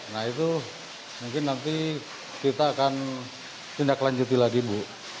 nah itu mungkin nanti kita akan tindak lanjuti lagi bu